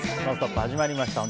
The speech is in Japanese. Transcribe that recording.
始まりました。